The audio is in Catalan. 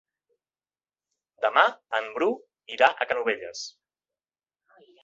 Demà en Bru irà a Canovelles.